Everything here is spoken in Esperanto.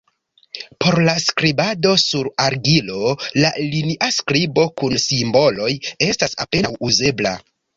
Por la skribado sur argilo, la linia skribo kun simboloj estas apenaŭ uzebla.